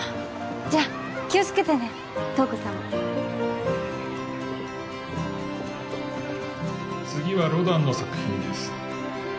じゃあ気をつけてね瞳子さんもうん次はロダンの作品です